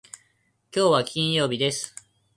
きょうは金曜日です。